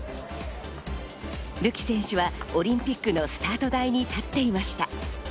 るき選手はオリンピックのスタート台に立っていました。